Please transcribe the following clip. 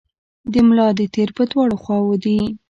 د ملا د تیر په دواړو خواوو دي.